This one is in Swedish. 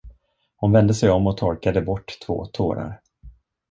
Hon vände sig om och torkade bort två tårar.